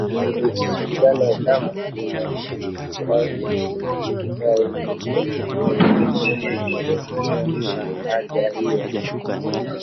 hujulikana kama Kimakunduchi au Kikae ikiwa Makunduchi ndio kitovu cha lahaja hiyo